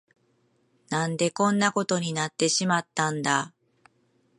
何でこんなことになってしまったんだ。